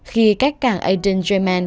khi cách cảng aden german